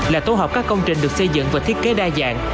là tổ hợp các công trình được xây dựng và thiết kế đa dạng